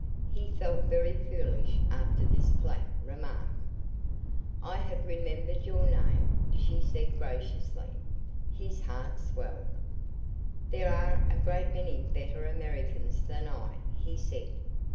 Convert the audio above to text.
He felt very foolish after this flat remark. "I have remembered your name," she said, graciously. His heart swelled. "There are a great many better Americans than I," he said.